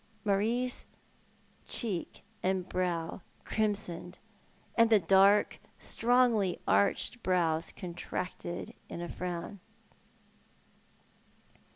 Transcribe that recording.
Marie's cheek and brow crimsoned, aud the dark, strongly arched brows contracted in a frown.